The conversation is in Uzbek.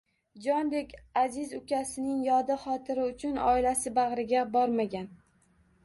Jondek aziz ukasining yodi xotiri uchun oilasi bagʻriga bormagan